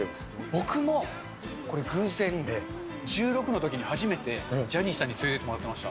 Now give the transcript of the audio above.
僕も、これ偶然、１６のときに初めて、ジャニーさんに連れていってもらってました。